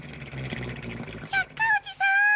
百科おじさん。